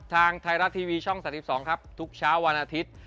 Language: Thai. ทางไทยรัฐทีวีช่อง๓๒ครับทุกเช้าวันอาทิตย์